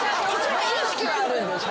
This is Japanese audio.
意識はあるんでしょ？